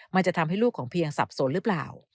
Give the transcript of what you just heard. มันจะทำให้ลูกของเพียงสับสนหรือเปล่า